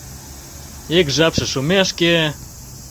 Ик жапше шумешке.